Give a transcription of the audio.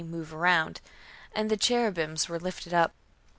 move round.... "And the cherubims were lifted up."